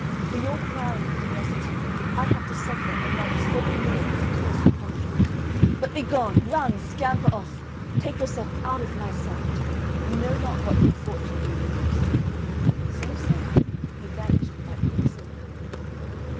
for your prying curiosity I have to suffer another seven years this accursed punishment. But begone! Run, scamper off! Take yourself out of my sight! You know not what good fortune you lose." So saying, he vanished like quicksilver.